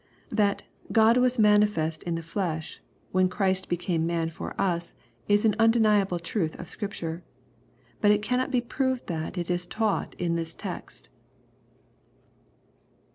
That "God was manifest in the flesh," when Christ became man for us, is an undeniable truth of Scripture. But it cannot be proved tha*. it is taught in this text.